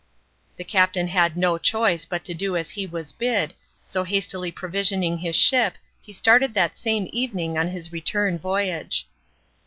The captain had no choice but to do as he was bid, so hastily provisioning his ship he started that same evening on his return voyage.